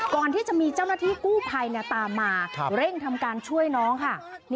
ก่อนที่จะมีเจ้าหน้าที่กู้ภัยตามมาเร่งทำการช่วยน้องค่ะ